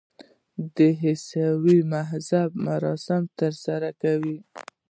د عیسوي مذهب مراسم ترسره کوي.